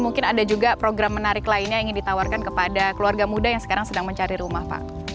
mungkin ada juga program menarik lainnya yang ingin ditawarkan kepada keluarga muda yang sekarang sedang mencari rumah pak